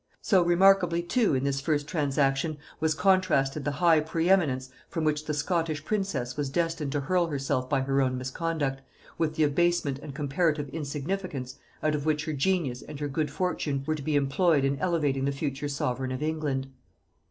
So remarkably, too, in this first transaction was contrasted the high preeminence from which the Scottish princess was destined to hurl herself by her own misconduct, with the abasement and comparative insignificance out of which her genius and her good fortune were to be employed in elevating the future sovereign of England.